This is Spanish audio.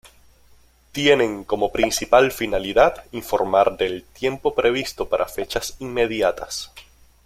Tienen como principal finalidad informar del tiempo previsto para fechas inmediatas.